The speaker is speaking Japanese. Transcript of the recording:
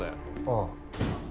ああ。